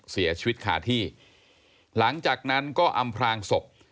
เสียชีวิตขาที่หลังจากนั้นก็อำพลางศพ